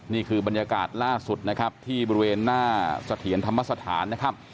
นี่คือบรรยากาศล่าสุดที่บริเวณหน้าเสถียรธรรมน์